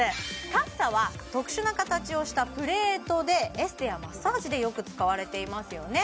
カッサは特殊な形をしたプレートでエステやマッサージでよく使われていますよね